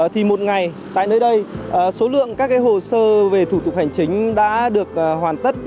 thì một ngày tại nơi đây số lượng các hồ sơ về thủ tục hành chính đã được hoàn tất